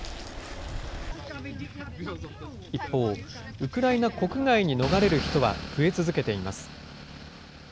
一方、ウクライナ国外に逃れる人は増え続けています。